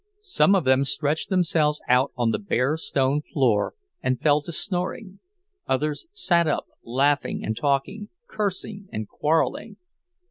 Some of them stretched themselves out on the bare stone floor and fell to snoring, others sat up, laughing and talking, cursing and quarreling.